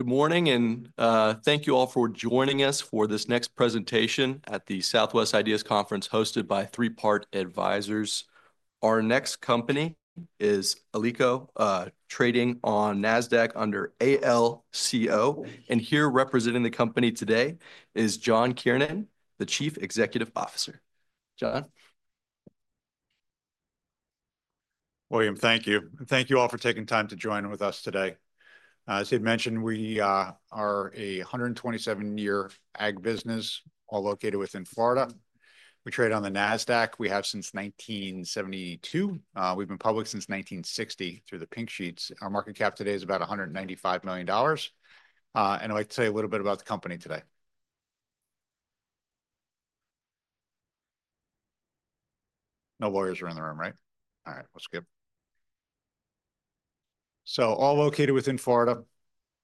Good morning, and thank you all for joining us for this next presentation at the Southwest IDEAS Conference hosted by Three Part Advisors. Our next company is Alico, trading on NASDAQ under ALCO. And here representing the company today is John Kiernan, the Chief Executive Officer. John. William, thank you. And thank you all for taking time to join with us today. As he mentioned, we are a 127-year ag business, all located within Florida. We trade on the NASDAQ. We have since 1972. We've been public since 1960 through the Pink Sheets. Our market cap today is about $195 million. And I'd like to tell you a little bit about the company today. No lawyers are in the room, right? All right, we'll skip. So all located within Florida,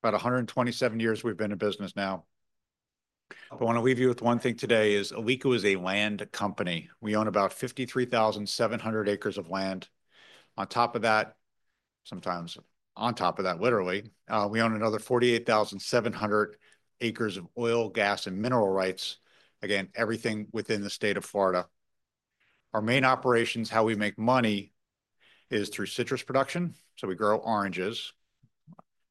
about 127 years we've been in business now. But I want to leave you with one thing today: Alico is a land company. We own about 53,700 acres of land. On top of that, sometimes on top of that, literally, we own another 48,700 acres of oil, gas, and mineral rights. Again, everything within the state of Florida. Our main operations, how we make money, is through citrus production. So we grow oranges.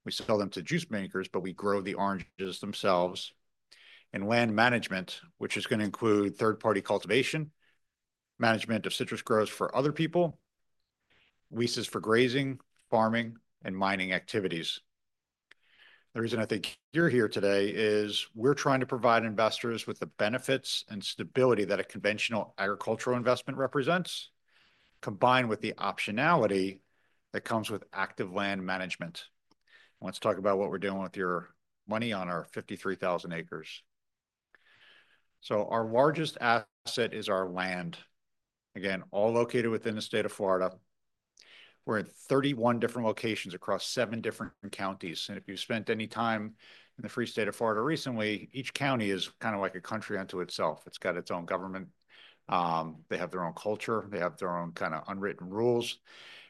We sell them to juice makers, but we grow the oranges themselves. And land management, which is going to include third-party cultivation, management of citrus groves for other people, leases for grazing, farming, and mining activities. The reason I think you're here today is we're trying to provide investors with the benefits and stability that a conventional agricultural investment represents, combined with the optionality that comes with active land management. Let's talk about what we're doing with your money on our 53,000 acres. So our largest asset is our land. Again, all located within the state of Florida. We're in 31 different locations across seven different counties. And if you've spent any time in the Free State of Florida recently, each county is kind of like a country unto itself. It's got its own government. They have their own culture. They have their own kind of unwritten rules,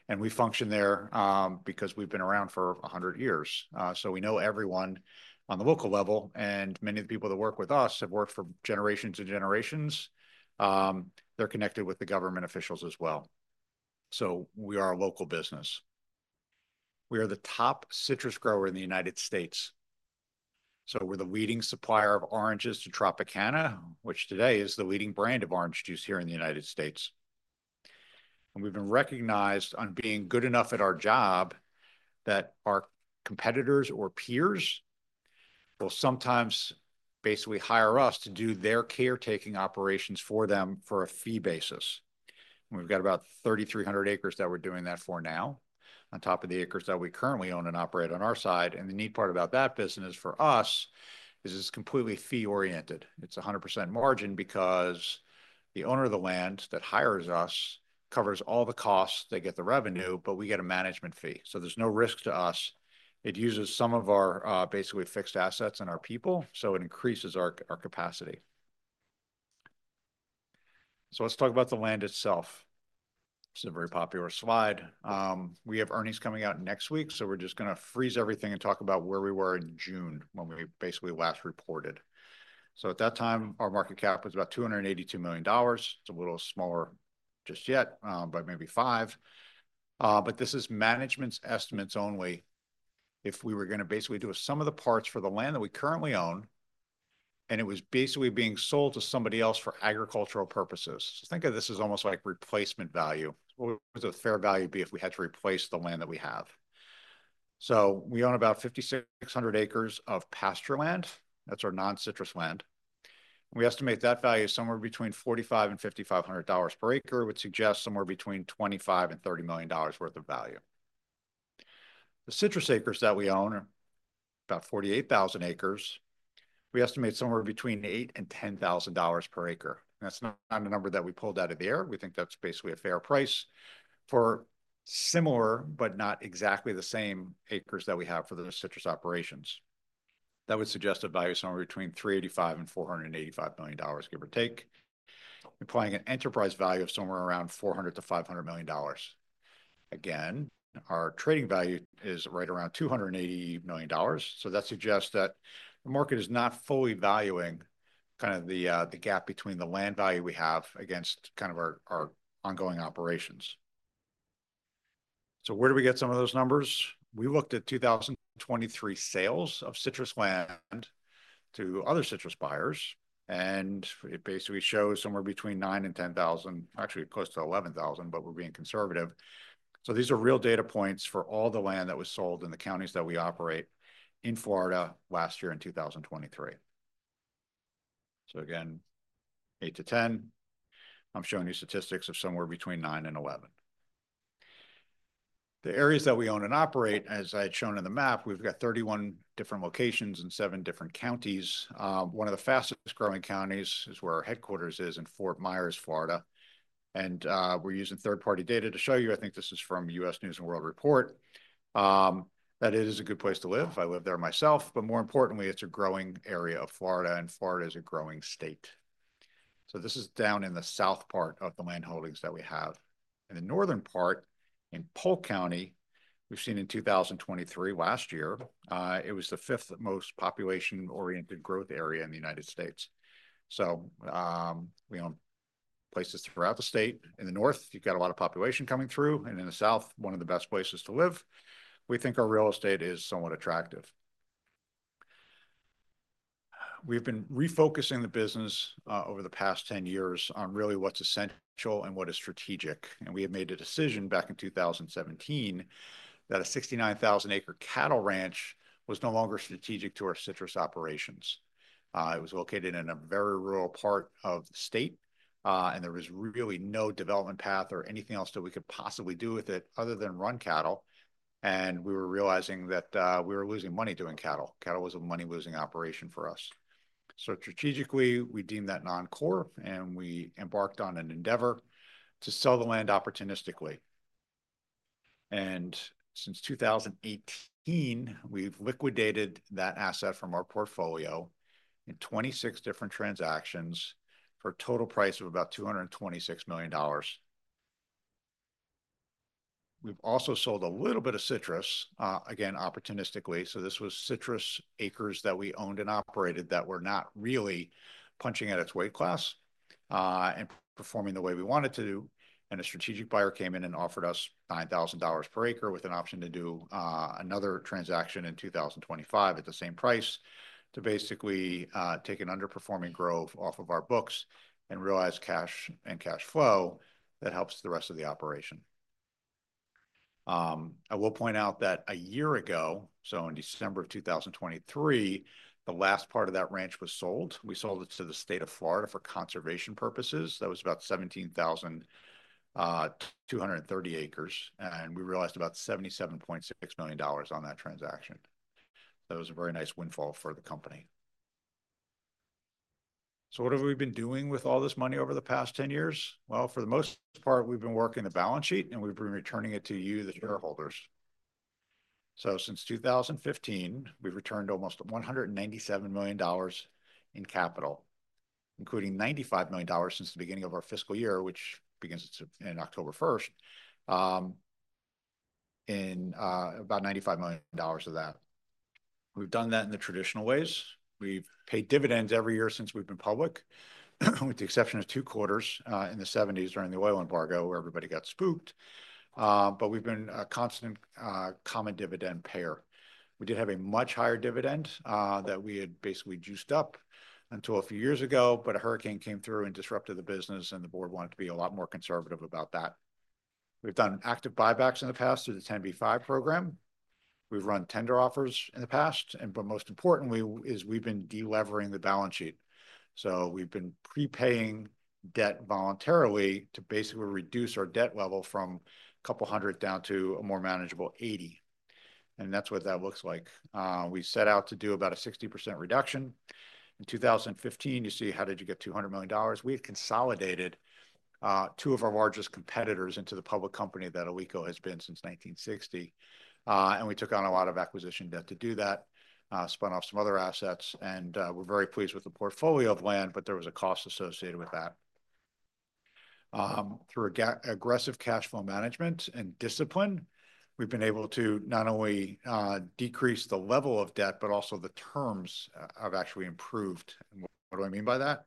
and we function there because we've been around for 100 years, so we know everyone on the local level. And many of the people that work with us have worked for generations and generations. They're connected with the government officials as well, so we are a local business. We are the top citrus grower in the United States, so we're the leading supplier of oranges to Tropicana, which today is the leading brand of orange juice here in the United States. And we've been recognized on being good enough at our job that our competitors or peers will sometimes basically hire us to do their caretaking operations for them for a fee basis. We've got about 3,300 acres that we're doing that for now, on top of the acres that we currently own and operate on our side, and the neat part about that business for us is it's completely fee-oriented. It's 100% margin because the owner of the land that hires us covers all the costs. They get the revenue, but we get a management fee, so there's no risk to us. It uses some of our basically fixed assets and our people, so it increases our capacity, so let's talk about the land itself. This is a very popular slide. We have earnings coming out next week, so we're just going to freeze everything and talk about where we were in June when we basically last reported, so at that time, our market cap was about $282 million. It's a little smaller just yet, but maybe five. But this is management's estimates only. If we were going to basically do some of the parts for the land that we currently own, and it was basically being sold to somebody else for agricultural purposes. So think of this as almost like replacement value. What would the fair value be if we had to replace the land that we have? So we own about 5,600 acres of pasture land. That's our non-citrus land. We estimate that value is somewhere between $4,500-$5,500 per acre, which suggests somewhere between $25 million and $30 million worth of value. The citrus acres that we own, about 48,000 acres, we estimate somewhere between $8,000 and $10,000 per acre. And that's not a number that we pulled out of the air. We think that's basically a fair price for similar but not exactly the same acres that we have for the citrus operations. That would suggest a value somewhere between $385 and $485 million, give or take, implying an enterprise value of somewhere around $400 million-$500 million. Again, our trading value is right around $280 million. So that suggests that the market is not fully valuing kind of the gap between the land value we have against kind of our ongoing operations. So where do we get some of those numbers? We looked at 2023 sales of citrus land to other citrus buyers. And it basically shows somewhere between $9,000 and $10,000, actually close to $11,000, but we're being conservative. So these are real data points for all the land that was sold in the counties that we operate in Florida last year in 2023. So again, $8,000-$10,000. I'm showing you statistics of somewhere between $9,000 and $11,000. The areas that we own and operate, as I had shown in the map, we've got 31 different locations in seven different counties. One of the fastest growing counties is where our headquarters is in Fort Myers, Florida. And we're using third-party data to show you, I think this is from US News & World Report, that it is a good place to live. I live there myself. But more importantly, it's a growing area of Florida, and Florida is a growing state. So this is down in the south part of the land holdings that we have. In the northern part, in Polk County, we've seen in 2023, last year, it was the fifth most population-oriented growth area in the United States. So we own places throughout the state. In the north, you've got a lot of population coming through. In the south, one of the best places to live. We think our real estate is somewhat attractive. We've been refocusing the business over the past 10 years on really what's essential and what is strategic. We had made a decision back in 2017 that a 69,000-acre cattle ranch was no longer strategic to our citrus operations. It was located in a very rural part of the state, and there was really no development path or anything else that we could possibly do with it other than run cattle. We were realizing that we were losing money doing cattle. Cattle was a money-losing operation for us. Strategically, we deemed that non-core, and we embarked on an endeavor to sell the land opportunistically. Since 2018, we've liquidated that asset from our portfolio in 26 different transactions for a total price of about $226 million. We've also sold a little bit of citrus, again, opportunistically. So this was citrus acres that we owned and operated that were not really punching at its weight class and performing the way we wanted to do. And a strategic buyer came in and offered us $9,000 per acre with an option to do another transaction in 2025 at the same price to basically take an underperforming grove off of our books and realize cash and cash flow that helps the rest of the operation. I will point out that a year ago, so in December of 2023, the last part of that ranch was sold. We sold it to the state of Florida for conservation purposes. That was about 17,230 acres. And we realized about $77.6 million on that transaction. That was a very nice windfall for the company. So what have we been doing with all this money over the past 10 years? Well, for the most part, we've been working the balance sheet, and we've been returning it to you, the shareholders. So since 2015, we've returned almost $197 million in capital, including $95 million since the beginning of our fiscal year, which begins in October 1st. In about $95 million of that, we've done that in the traditional ways. We've paid dividends every year since we've been public, with the exception of two quarters in the 1970s during the oil embargo where everybody got spooked. But we've been a constant common dividend payer. We did have a much higher dividend that we had basically juiced up until a few years ago, but a hurricane came through and disrupted the business, and the board wanted to be a lot more conservative about that. We've done active buybacks in the past through the 10b5-1 program. We've run tender offers in the past and but most importantly, we've been de-levering the balance sheet so we've been prepaying debt voluntarily to basically reduce our debt level from a couple hundred down to a more manageable $80. And that's what that looks like. We set out to do about a 60% reduction. In 2015, you see, how did you get $200 million? We had consolidated two of our largest competitors into the public company that Alico has been since 1960, and we took on a lot of acquisition debt to do that, spun off some other assets, and we're very pleased with the portfolio of land, but there was a cost associated with that. Through aggressive cash flow management and discipline, we've been able to not only decrease the level of debt, but also the terms have actually improved, and what do I mean by that?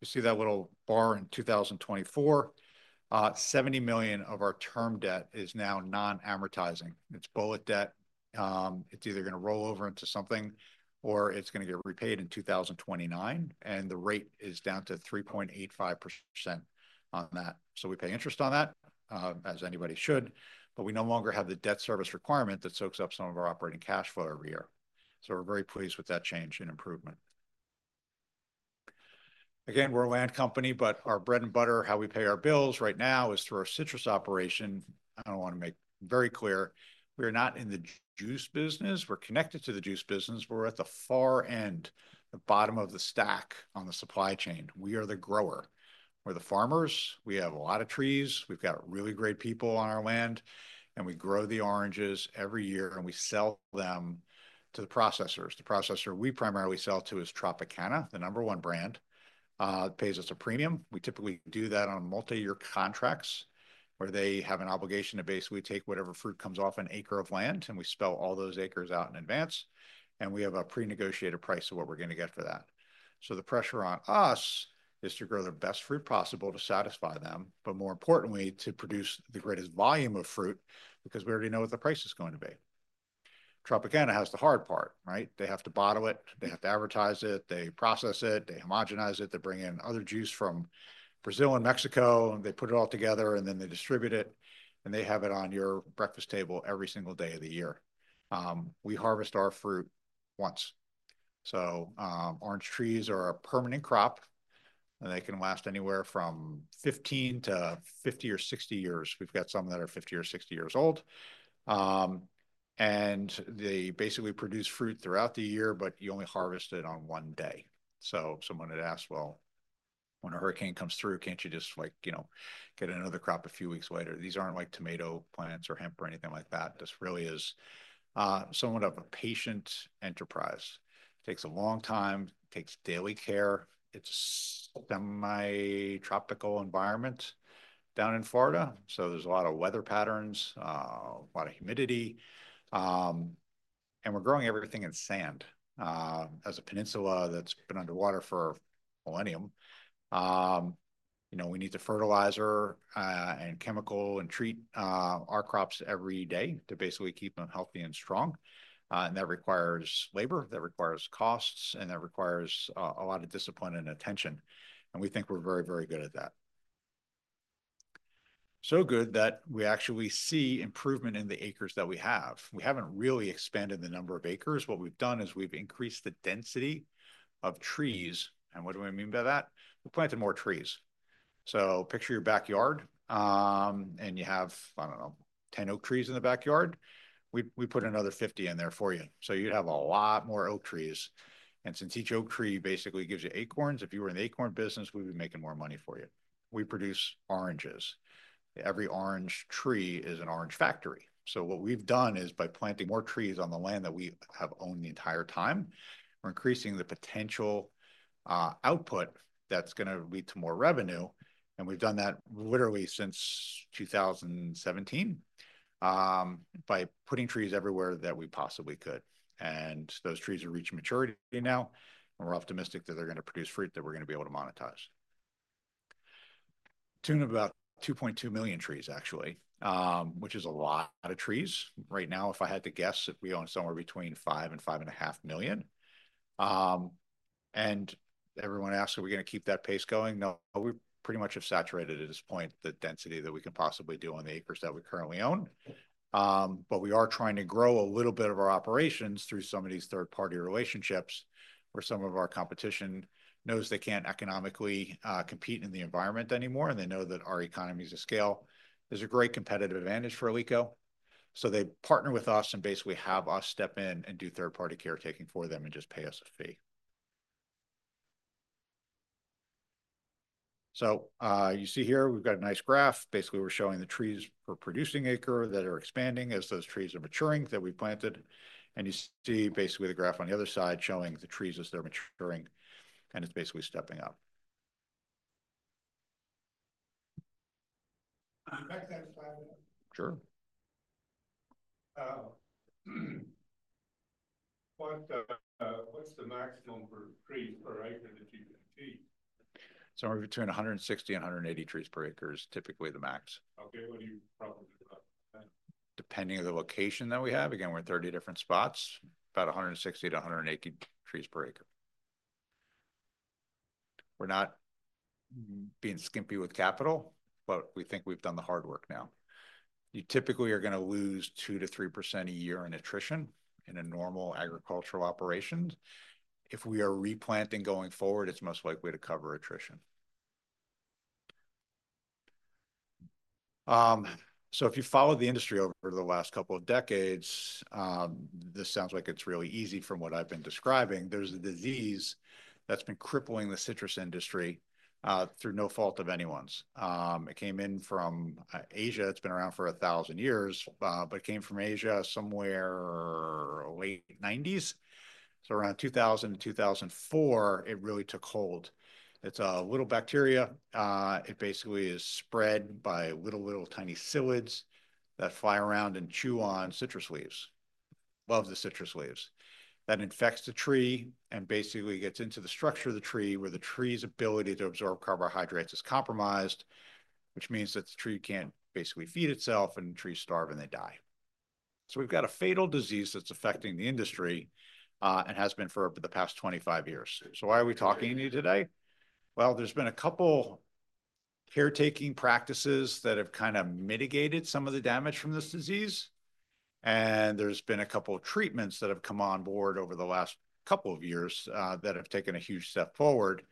You see that little bar in 2024, $70 million of our term debt is now non-amortizing. It's bullet debt. It's either going to roll over into something or it's going to get repaid in 2029, and the rate is down to 3.85% on that. So we pay interest on that, as anybody should. But we no longer have the debt service requirement that soaks up some of our operating cash flow every year. So we're very pleased with that change and improvement. Again, we're a land company, but our bread and butter, how we pay our bills right now is through our citrus operation. I want to make very clear, we are not in the juice business. We're connected to the juice business. We're at the far end, the bottom of the stack on the supply chain. We are the grower. We're the farmers. We have a lot of trees. We've got really great people on our land, and we grow the oranges every year, and we sell them to the processors. The processor we primarily sell to is Tropicana, the number one brand. It pays us a premium. We typically do that on multi-year contracts where they have an obligation to basically take whatever fruit comes off an acre of land, and we spell all those acres out in advance, and we have a pre-negotiated price of what we're going to get for that. So the pressure on us is to grow the best fruit possible to satisfy them, but more importantly, to produce the greatest volume of fruit because we already know what the price is going to be. Tropicana has the hard part, right? They have to bottle it. They have to advertise it. They process it. They homogenize it. They bring in other juice from Brazil and Mexico. They put it all together, and then they distribute it. And they have it on your breakfast table every single day of the year. We harvest our fruit once. So orange trees are a permanent crop, and they can last anywhere from 15 to 50 or 60 years. We've got some that are 50 or 60 years old. And they basically produce fruit throughout the year, but you only harvest it on one day. So someone had asked, "Well, when a hurricane comes through, can't you just, like, you know, get another crop a few weeks later?" These aren't like tomato plants or hemp or anything like that. This really is somewhat of a patient enterprise. It takes a long time. It takes daily care. It's a semi-tropical environment down in Florida. So there's a lot of weather patterns, a lot of humidity. And we're growing everything in sand. As a peninsula that's been underwater for a millennium, you know, we need the fertilizer and chemical and treat our crops every day to basically keep them healthy and strong. And that requires labor. That requires costs. And that requires a lot of discipline and attention. And we think we're very, very good at that. So good that we actually see improvement in the acres that we have. We haven't really expanded the number of acres. What we've done is we've increased the density of trees. And what do I mean by that? We planted more trees. So picture your backyard, and you have, I don't know, 10 oak trees in the backyard. We put another 50 in there for you. So you'd have a lot more oak trees. And since each oak tree basically gives you acorns, if you were in the acorn business, we'd be making more money for you. We produce oranges. Every orange tree is an orange factory. So what we've done is by planting more trees on the land that we have owned the entire time, we're increasing the potential output that's going to lead to more revenue. And we've done that literally since 2017 by putting trees everywhere that we possibly could. And those trees are reaching maturity now. We're optimistic that they're going to produce fruit that we're going to be able to monetize to the tune of about 2.2 million trees, actually, which is a lot of trees. Right now, if I had to guess, we own somewhere between 5 and 5.5 million. Everyone asks, "Are we going to keep that pace going?" No, we pretty much have saturated at this point the density that we can possibly do on the acres that we currently own. We are trying to grow a little bit of our operations through some of these third-party relationships where some of our competition knows they can't economically compete in the environment anymore, and they know that our economies of scale is a great competitive advantage for Alico. They partner with us and basically have us step in and do third-party caretaking for them and just pay us a fee. So you see here, we've got a nice graph. Basically, we're showing the trees per producing acre that are expanding as those trees are maturing that we planted. And you see basically the graph on the other side showing the trees as they're maturing, and it's basically stepping up. Back to that slide. Sure. What's the maximum for trees per acre that you can see? Somewhere between 160 and 180 trees per acre is typically the max. Okay. What do you probably do about that? Depending on the location that we have, again, we have 30 different spots, about 160-180 trees per acre. We're not being skimpy with capital, but we think we've done the hard work now. You typically are going to lose 2%-3% a year in attrition in a normal agricultural operation. If we are replanting going forward, it's most likely to cover attrition. If you follow the industry over the last couple of decades, this sounds like it's really easy from what I've been describing. There's a disease that's been crippling the citrus industry through no fault of anyone's. It came in from Asia. It's been around for 1,000 years, but it came from Asia somewhere in the late 1990s. Around 2000-2004, it really took hold. It's a little bacteria. It basically is spread by little, little tiny psyllid that fly around and chew on citrus leaves. Love the citrus leaves. That infects the tree and basically gets into the structure of the tree where the tree's ability to absorb carbohydrates is compromised, which means that the tree can't basically feed itself, and the trees starve and they die. We've got a fatal disease that's affecting the industry and has been for over the past 25 years. So why are we talking to you today? Well, there's been a couple caretaking practices that have kind of mitigated some of the damage from this disease. And there's been a couple treatments that have come on board over the last couple of years that have taken a huge step forward.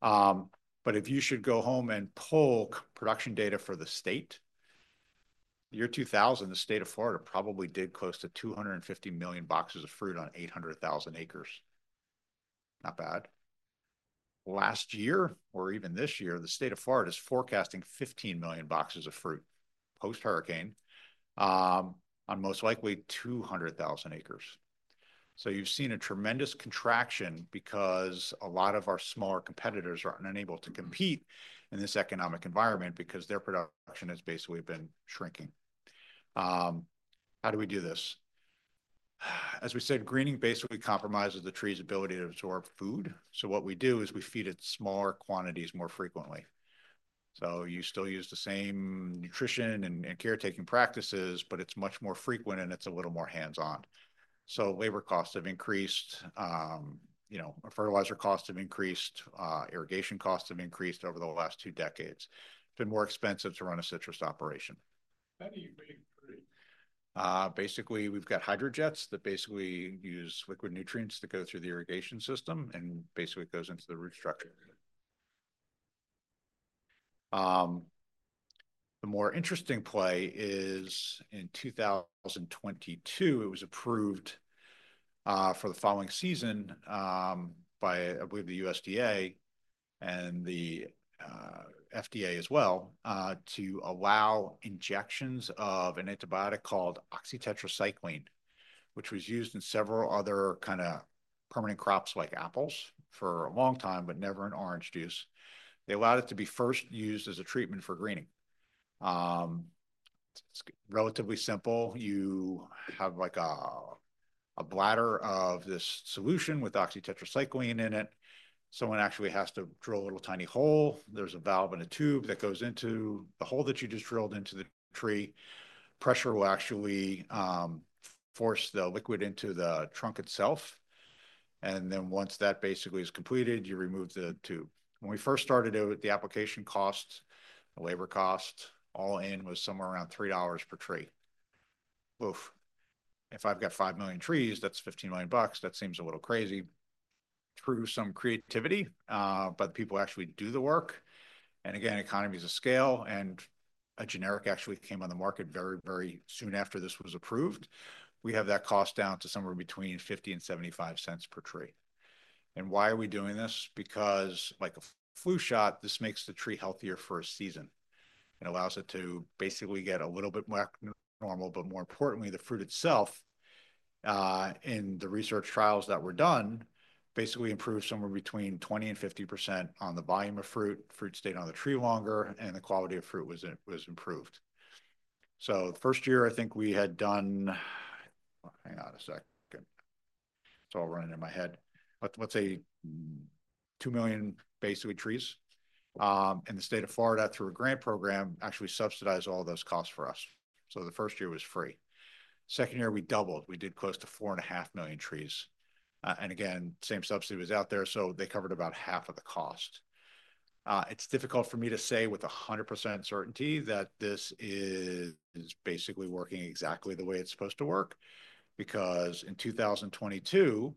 But if you should go home and pull production data for the state, year 2000, the state of Florida probably did close to 250 million boxes of fruit on 800,000 acres. Not bad. Last year or even this year, the state of Florida is forecasting 15 million boxes of fruit post-hurricane on most likely 200,000 acres. So you've seen a tremendous contraction because a lot of our smaller competitors are unable to compete in this economic environment because their production has basically been shrinking. How do we do this? As we said, greening basically compromises the tree's ability to absorb food. So what we do is we feed it smaller quantities more frequently. So you still use the same nutrition and caretaking practices, but it's much more frequent, and it's a little more hands-on. So labor costs have increased. You know, fertilizer costs have increased. Irrigation costs have increased over the last two decades. It's been more expensive to run a citrus operation. How do you make fruit? Basically, we've got Hydrojects that basically use liquid nutrients to go through the irrigation system and basically goes into the root structure. The more interesting play is in 2022. It was approved for the following season by, I believe, the USDA and the FDA as well to allow injections of an antibiotic called oxytetracycline, which was used in several other kind of permanent crops like apples for a long time, but never in orange juice. They allowed it to be first used as a treatment for greening. It's relatively simple. You have like a bladder of this solution with oxytetracycline in it. Someone actually has to drill a little tiny hole. There's a valve and a tube that goes into the hole that you just drilled into the tree. Pressure will actually force the liquid into the trunk itself. And then once that basically is completed, you remove the tube. When we first started it, the application cost, the labor cost all in was somewhere around $3 per tree. Oof. If I've got 5 million trees, that's $15 million. That seems a little crazy. Through some creativity, but people actually do the work. And again, economies of scale and a generic actually came on the market very, very soon after this was approved. We have that cost down to somewhere between $0.50 and $0.75 per tree. And why are we doing this? Because like a flu shot, this makes the tree healthier for a season. It allows it to basically get a little bit more normal, but more importantly, the fruit itself in the research trials that were done basically improved somewhere between 20% and 50% on the volume of fruit, fruit stayed on the tree longer, and the quality of fruit was improved. So the first year, I think we had done, hang on a second. It's all running in my head. Let's say 2 million basically trees. The state of Florida, through a grant program, actually subsidized all those costs for us. So the first year was free. Second year, we doubled. We did close to 4.5 million trees. And again, same subsidy was out there. So they covered about half of the cost. It's difficult for me to say with 100% certainty that this is basically working exactly the way it's supposed to work because in 2022,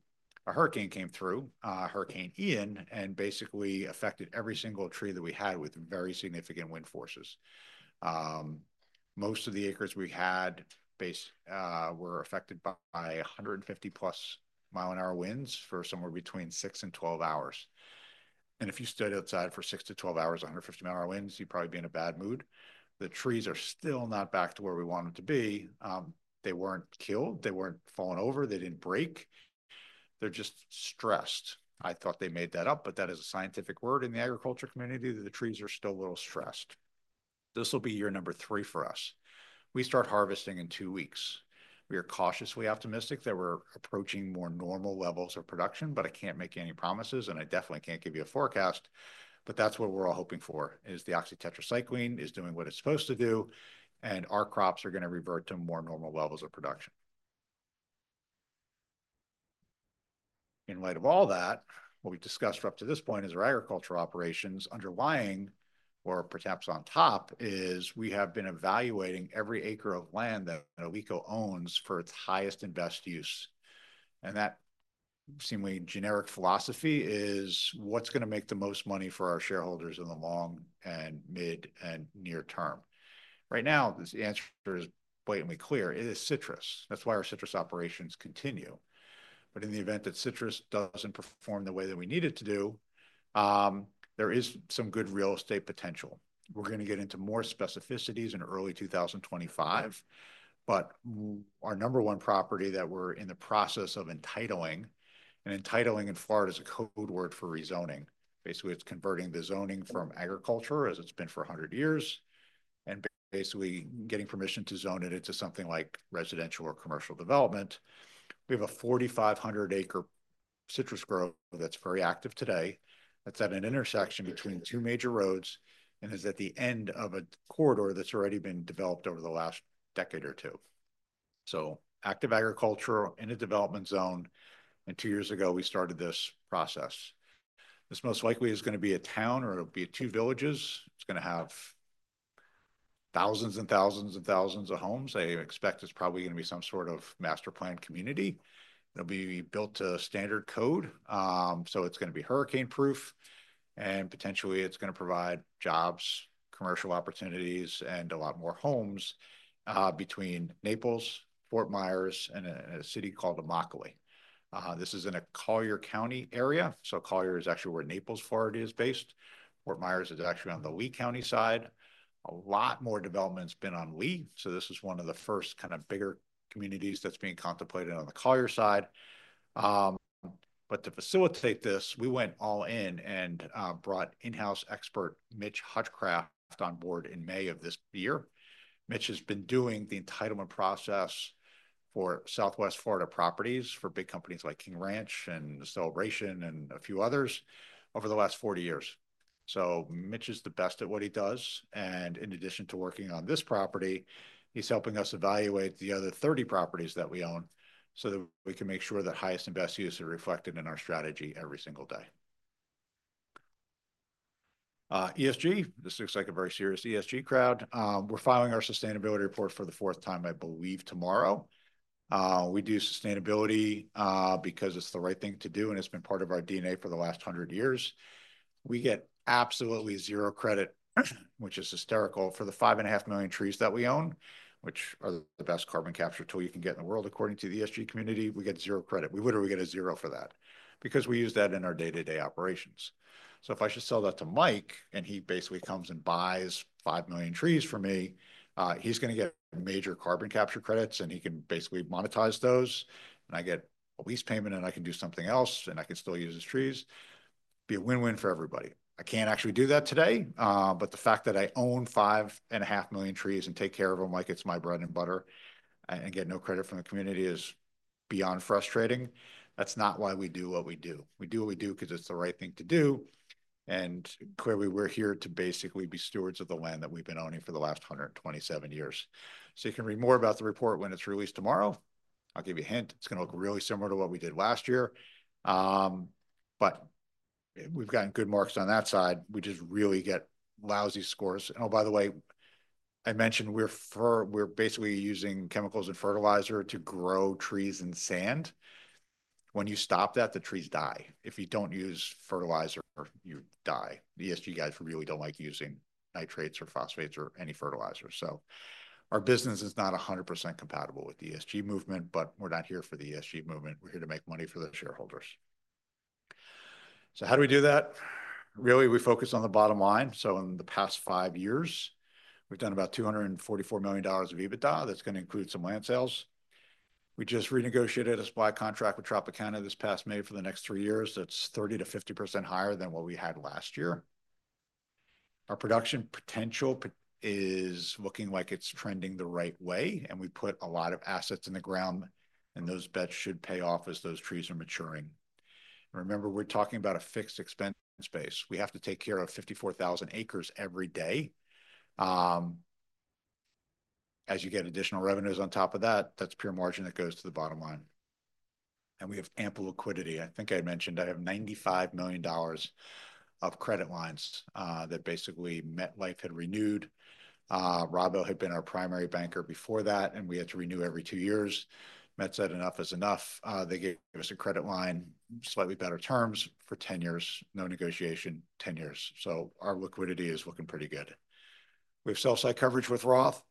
a hurricane came through, Hurricane Ian, and basically affected every single tree that we had with very significant wind forces. Most of the acres we had were affected by 150 plus mile-per-hour winds for somewhere between 6 and 12 hours. And if you stood outside for 6-12 hours, 150 mile-per-hour winds, you'd probably be in a bad mood. The trees are still not back to where we want them to be. They weren't killed. They weren't fallen over. They didn't break. They're just stressed. I thought they made that up, but that is a scientific word in the agriculture community that the trees are still a little stressed. This will be year number three for us. We start harvesting in two weeks. We are cautiously optimistic that we're approaching more normal levels of production, but I can't make any promises, and I definitely can't give you a forecast. But that's what we're all hoping for, is the oxytetracycline is doing what it's supposed to do, and our crops are going to revert to more normal levels of production. In light of all that, what we've discussed up to this point is our agriculture operations underlying, or perhaps on top, is we have been evaluating every acre of land that Alico owns for its highest and best use. That seemingly generic philosophy is what's going to make the most money for our shareholders in the long and mid and near term. Right now, the answer is blatantly clear. It is citrus. That's why our citrus operations continue. But in the event that citrus doesn't perform the way that we need it to do, there is some good real estate potential. We're going to get into more specificities in early 2025. But our number one property that we're in the process of entitling, and entitling in Florida is a code word for rezoning. Basically, it's converting the zoning from agriculture, as it's been for 100 years, and basically getting permission to zone it into something like residential or commercial development. We have a 4,500-acre citrus grove that's very active today that's at an intersection between two major roads and is at the end of a corridor that's already been developed over the last decade or two, so active agriculture in a development zone, and two years ago, we started this process. This most likely is going to be a town or it'll be two villages. It's going to have thousands and thousands and thousands of homes. I expect it's probably going to be some sort of master plan community. It'll be built to standard code, so it's going to be hurricane-proof, and potentially, it's going to provide jobs, commercial opportunities, and a lot more homes between Naples, Fort Myers, and a city called Immokalee. This is in a Collier County area, so Collier is actually where Naples, Florida is based. Fort Myers is actually on the Lee County side. A lot more development's been on Lee. So this is one of the first kind of bigger communities that's being contemplated on the Collier side. But to facilitate this, we went all in and brought in-house expert Mitch Hutchcraft on board in May of this year. Mitch has been doing the entitlement process for Southwest Florida properties for big companies like King Ranch and Celebration and a few others over the last 40 years. So Mitch is the best at what he does. And in addition to working on this property, he's helping us evaluate the other 30 properties that we own so that we can make sure that highest and best use is reflected in our strategy every single day. ESG. This looks like a very serious ESG crowd. We're filing our sustainability report for the fourth time, I believe, tomorrow. We do sustainability because it's the right thing to do, and it's been part of our DNA for the last 100 years. We get absolutely zero credit, which is hysterical, for the 5.5 million trees that we own, which are the best carbon capture tool you can get in the world according to the ESG community. We get zero credit. We literally get a zero for that because we use that in our day-to-day operations. So if I should sell that to Mike and he basically comes and buys 5 million trees for me, he's going to get major carbon capture credits, and he can basically monetize those. And I get a lease payment, and I can do something else, and I can still use his trees. Be a win-win for everybody. I can't actually do that today, but the fact that I own 5.5 million trees and take care of them like it's my bread and butter and get no credit from the community is beyond frustrating. That's not why we do what we do. We do what we do because it's the right thing to do. And clearly, we're here to basically be stewards of the land that we've been owning for the last 127 years. So you can read more about the report when it's released tomorrow. I'll give you a hint. It's going to look really similar to what we did last year. But we've gotten good marks on that side. We just really get lousy scores. And oh, by the way, I mentioned we're basically using chemicals and fertilizer to grow trees in sand. When you stop that, the trees die. If you don't use fertilizer, you die. The ESG guys really don't like using nitrates or phosphates or any fertilizer. So our business is not 100% compatible with the ESG movement, but we're not here for the ESG movement. We're here to make money for the shareholders. So how do we do that? Really, we focus on the bottom line. So in the past five years, we've done about $244 million of EBITDA. That's going to include some land sales. We just renegotiated a supply contract with Tropicana this past May for the next three years. That's 30%-50% higher than what we had last year. Our production potential is looking like it's trending the right way, and we put a lot of assets in the ground, and those bets should pay off as those trees are maturing. Remember, we're talking about a fixed expense base. We have to take care of 54,000 acres every day. As you get additional revenues on top of that, that's pure margin that goes to the bottom line. And we have ample liquidity. I think I mentioned I have $95 million of credit lines that basically MetLife had renewed. Rabo had been our primary banker before that, and we had to renew every two years. Met said enough is enough. They gave us a credit line, slightly better terms for 10 years, no negotiation, 10 years. So our liquidity is looking pretty good. We have sell-side coverage with Roth.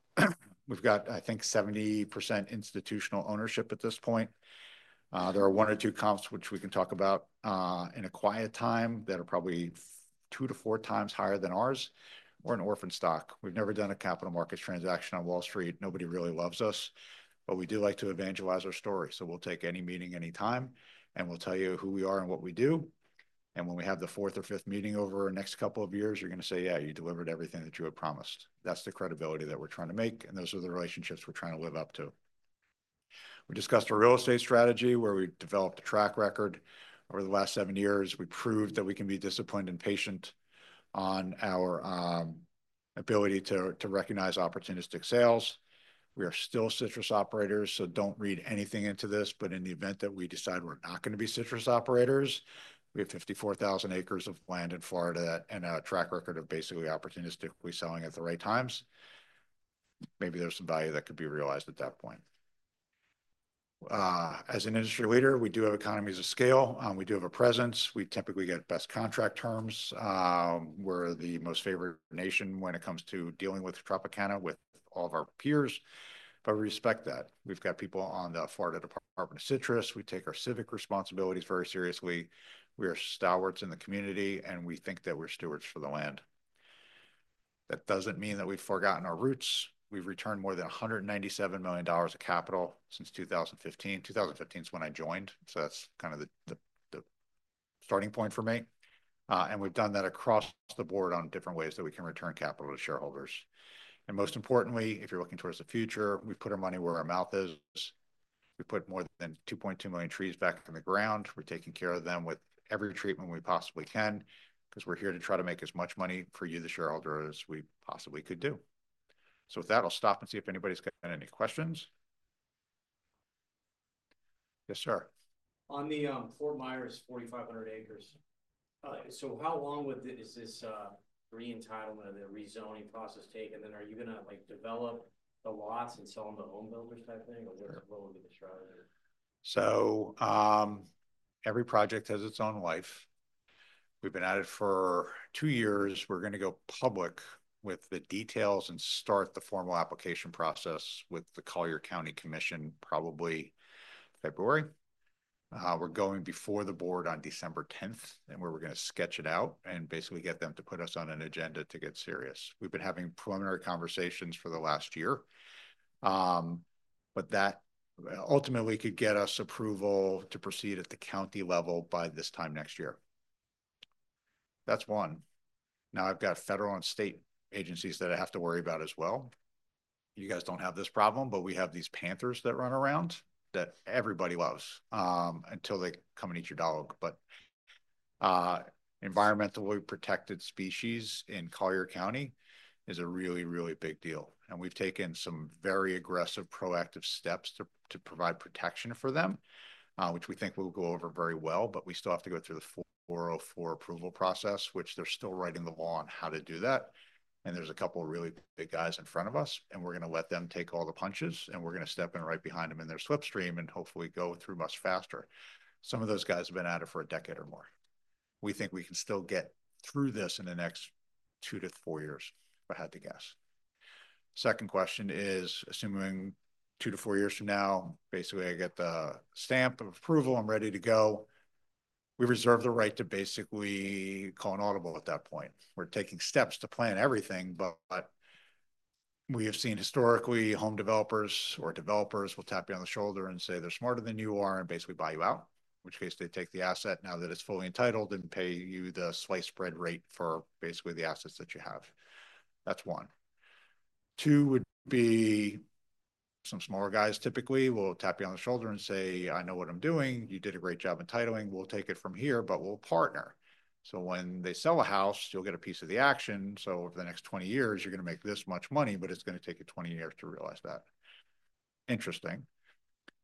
We've got, I think, 70% institutional ownership at this point. There are one or two comps which we can talk about in a quiet time that are probably two to four times higher than ours. We're an orphan stock. We've never done a capital markets transaction on Wall Street. Nobody really loves us. But we do like to evangelize our story. So we'll take any meeting, any time, and we'll tell you who we are and what we do. And when we have the fourth or fifth meeting over our next couple of years, you're going to say, "Yeah, you delivered everything that you had promised." That's the credibility that we're trying to make, and those are the relationships we're trying to live up to. We discussed our real estate strategy where we developed a track record over the last seven years. We proved that we can be disciplined and patient on our ability to recognize opportunistic sales. We are still citrus operators, so don't read anything into this. But in the event that we decide we're not going to be citrus operators, we have 54,000 acres of land in Florida and a track record of basically opportunistically selling at the right times. Maybe there's some value that could be realized at that point. As an industry leader, we do have economies of scale. We do have a presence. We typically get best contract terms. We're the most favored nation when it comes to dealing with Tropicana with all of our peers. But we respect that. We've got people on the Florida Department of Citrus. We take our civic responsibilities very seriously. We are stalwarts in the community, and we think that we're stewards for the land. That doesn't mean that we've forgotten our roots. We've returned more than $197 million of capital since 2015. 2015 is when I joined, so that's kind of the starting point for me. We've done that across the board on different ways that we can return capital to shareholders. And most importantly, if you're looking towards the future, we've put our money where our mouth is. We put more than 2.2 million trees back in the ground. We're taking care of them with every treatment we possibly can because we're here to try to make as much money for you, the shareholder, as we possibly could do. So with that, I'll stop and see if anybody's got any questions. Yes, sir. On the Fort Myers, 4,500 acres. So how long is this re-entitling of the rezoning process taken? And then are you going to develop the lots and sell them to home builders type thing? Or what will be the strategy? So every project has its own life. We've been at it for two years. We're going to go public with the details and start the formal application process with the Collier County Commission probably February. We're going before the board on December 10th, and we're going to sketch it out and basically get them to put us on an agenda to get serious. We've been having preliminary conversations for the last year, but that ultimately could get us approval to proceed at the county level by this time next year. That's one. Now, I've got federal and state agencies that I have to worry about as well. You guys don't have this problem, but we have these panthers that run around that everybody loves until they come and eat your dog. But environmentally protected species in Collier County is a really, really big deal. We've taken some very aggressive proactive steps to provide protection for them, which we think will go over very well. We still have to go through the 404 approval process, which they're still writing the law on how to do that. There's a couple of really big guys in front of us, and we're going to let them take all the punches, and we're going to step in right behind them in their slipstream and hopefully go through much faster. Some of those guys have been at it for a decade or more. We think we can still get through this in the next two to four years, if I had to guess. Second question is, assuming two to four years from now, basically I get the stamp of approval, I'm ready to go. We reserve the right to basically call an audible at that point. We're taking steps to plan everything, but we have seen historically home developers or developers will tap you on the shoulder and say they're smarter than you are and basically buy you out, in which case they take the asset now that it's fully entitled and pay you the slice-spread rate for basically the assets that you have. That's one. Two would be some smaller guys typically will tap you on the shoulder and say, "I know what I'm doing. You did a great job entitling. We'll take it from here, but we'll partner." So when they sell a house, you'll get a piece of the action. So over the next 20 years, you're going to make this much money, but it's going to take you 20 years to realize that. Interesting.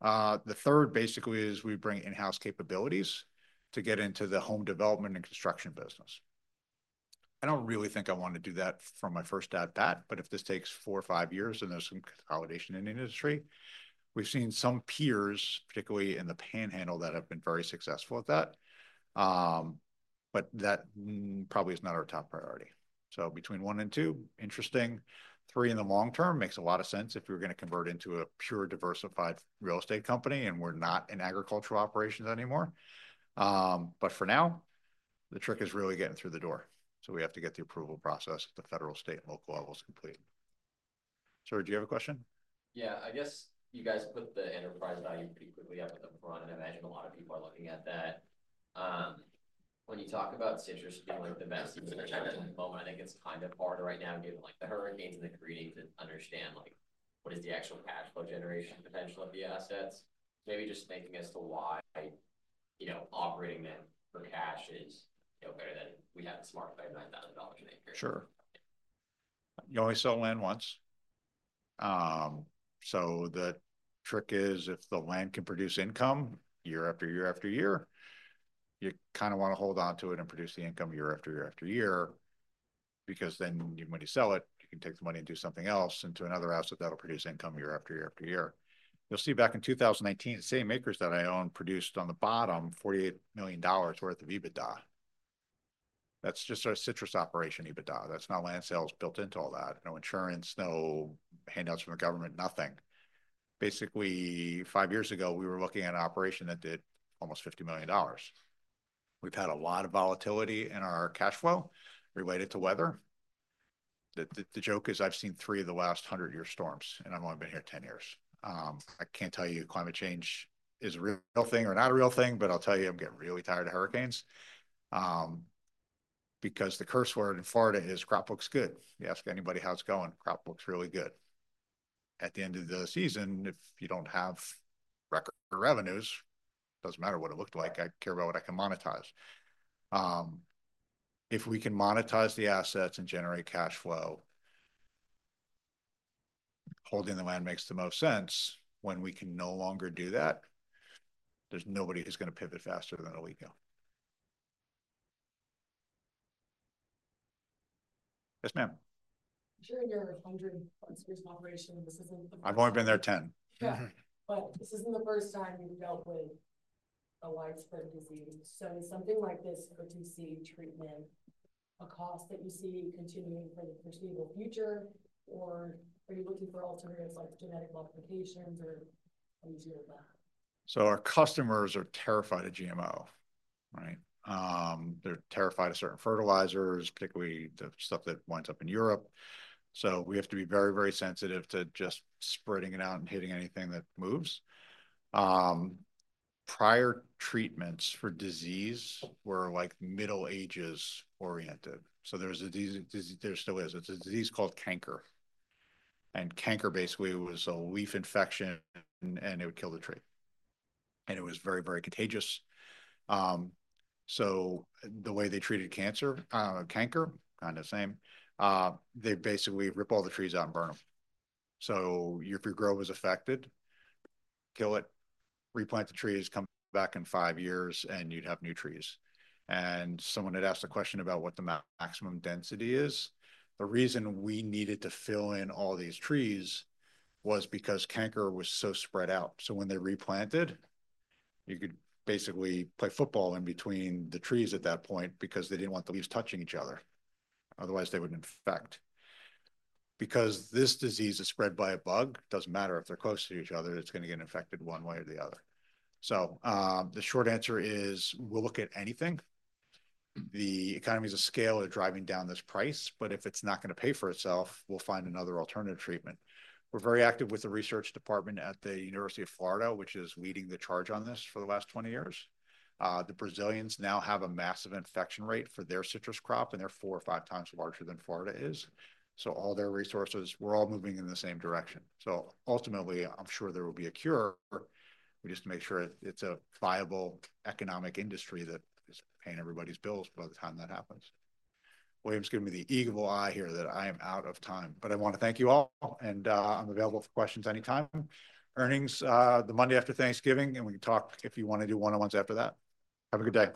The third basically is we bring in-house capabilities to get into the home development and construction business. I don't really think I want to do that from my first crack at that, but if this takes four or five years and there's some consolidation in the industry, we've seen some peers, particularly in the panhandle, that have been very successful at that. But that probably is not our top priority. So between one and two, interesting. Three in the long term makes a lot of sense if we're going to convert into a pure diversified real estate company and we're not in agricultural operations anymore. But for now, the trick is really getting through the door. So we have to get the approval process at the federal, state, and local levels complete. Sir, do you have a question? Yeah. I guess you guys put the enterprise value pretty quickly up at the front, and I imagine a lot of people are looking at that. When you talk about citrus being the best investment at the moment, I think it's kind of hard right now given the hurricanes and the greening to understand what is the actual cash flow generation potential of the assets. Maybe just thinking as to why operating them for cash is better than we have to smart $5,000-$9,000 an acre. Sure. You only sell land once. So the trick is if the land can produce income year after year after year, you kind of want to hold on to it and produce the income year after year after year because then when you sell it, you can take the money and do something else into another asset that'll produce income year after year after year. You'll see back in 2019, the same acres that I owned produced on the bottom $48 million worth of EBITDA. That's just our citrus operation EBITDA. That's not land sales built into all that. No insurance, no handouts from the government, nothing. Basically, five years ago, we were looking at an operation that did almost $50 million. We've had a lot of volatility in our cash flow related to weather. The joke is I've seen three of the last 100-year storms, and I've only been here 10 years. I can't tell you climate change is a real thing or not a real thing, but I'll tell you I'm getting really tired of hurricanes because the curse word in Florida is crop looks good. You ask anybody how it's going, crop looks really good. At the end of the season, if you don't have record revenues, it doesn't matter what it looked like. I care about what I can monetize. If we can monetize the assets and generate cash flow, holding the land makes the most sense. When we can no longer do that, there's nobody who's going to pivot faster than a week ago. Yes, ma'am. During your 100 plus years of operation, this isn't the first. I've only been there 10. Yeah. But this isn't the first time you've dealt with a widespread disease. So is something like this OTC treatment a cost that you see continuing for the foreseeable future, or are you looking for alternatives like genetic modifications or anything like that? So our customers are terrified of GMO, right? They're terrified of certain fertilizers, particularly the stuff that winds up in Europe. So we have to be very, very sensitive to just spreading it out and hitting anything that moves. Prior treatments for disease were Middle Ages oriented. So there's a disease there still is. It's a disease called canker, and canker basically was a leaf infection, and it would kill the tree, and it was very, very contagious, so the way they treated canker, canker, kind of the same, they basically rip all the trees out and burn them, so if your grove is affected, kill it, replant the trees, come back in five years, and you'd have new trees, and someone had asked a question about what the maximum density is. The reason we needed to fill in all these trees was because canker was so spread out, so when they replanted, you could basically play football in between the trees at that point because they didn't want the leaves touching each other. Otherwise, they would infect. Because this disease is spread by a bug, it doesn't matter if they're close to each other. It's going to get infected one way or the other. So the short answer is we'll look at anything. The economies of scale are driving down this price, but if it's not going to pay for itself, we'll find another alternative treatment. We're very active with the research department at the University of Florida, which is leading the charge on this for the last 20 years. The Brazilians now have a massive infection rate for their citrus crop, and they're four or five times larger than Florida is. So all their resources, we're all moving in the same direction. So ultimately, I'm sure there will be a cure. We just make sure it's a viable economic industry that is paying everybody's bills by the time that happens. William's giving me the eagle eye here that I am out of time, but I want to thank you all, and I'm available for questions anytime. Earnings the Monday after Thanksgiving, and we can talk if you want to do one-on-ones after that. Have a good day.